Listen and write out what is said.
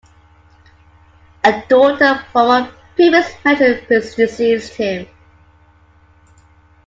A daughter from a previous marriage predeceased him.